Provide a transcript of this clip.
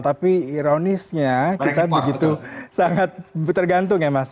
tapi ironisnya kita begitu sangat tergantung ya mas